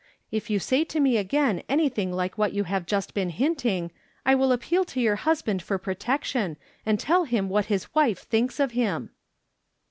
If you say to me again anything like what you have just been hinting I will ap peal to your husband for protection, and tell him what his wife thinks of him